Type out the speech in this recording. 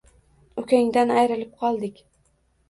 Ukangdan ayrilib qoldik